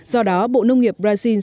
do đó bộ nông nghiệp brazil